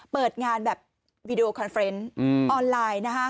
เปิดงานแบบวีดีโอคอนเฟรนต์ออนไลน์นะฮะ